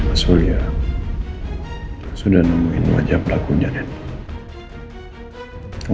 mas ulya sudah nemuin wajah pelakunya nenek